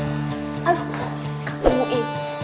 aduh kak om mui